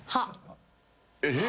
えっ！？